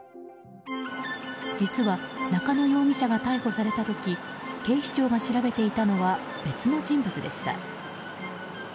実は、中野容疑者が逮捕された時警視庁が調べていたのは別の人物でした。